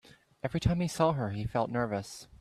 Every time he saw her, he felt nervous.